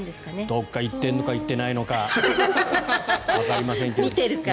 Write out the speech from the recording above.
どこか行ってるのか行ってないのかわかりませんけども。